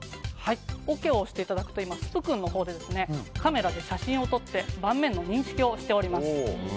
ＯＫを押していただくとスプ君のほうでカメラで写真を撮って盤面の認識をしております。